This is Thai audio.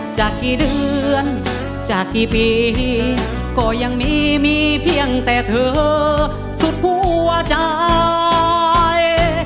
จากกี่เดือนจากกี่ปีก็ยังมีมีเพียงแต่เธอสุดหัวใจ